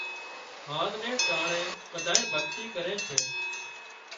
هانز نين ٽانڻي ٻڌانئين ڀڳتي ڪري سي